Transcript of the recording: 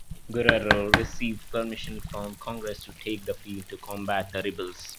Guerrero received permission from Congress to take the field to combat the rebels.